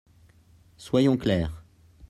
Soyons clairs.